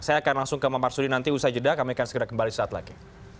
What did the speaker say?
saya akan langsung ke bang marsudi nanti usai jeda kami akan segera kembali saat lagi